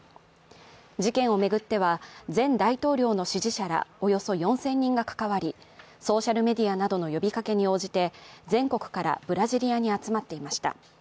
事件を巡っては、前大統領の支持者らおよそ４０００人が関わり、ソーシャルメディアなどの呼びかけに応じて全国からブラジリアに集まっていました。